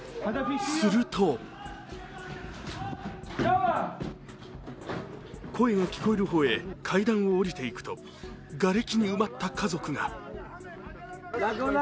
すると声が聞こえる方へ階段を下りていくとがれきに埋まった家族が。